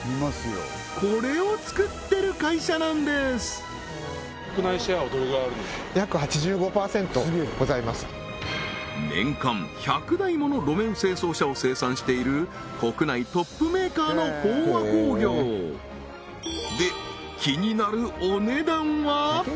これを作ってる会社なんですございます年間１００台もの路面清掃車を生産している国内トップメーカーの豊和工業で気になるお値段は？